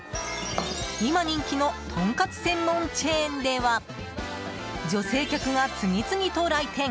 今、人気のとんかつ専門チェーンでは女性客が次々と来店。